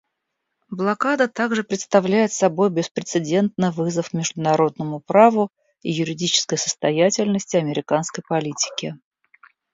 Блокада также представляет собой беспрецедентный вызов международному праву и юридической состоятельности американской политики.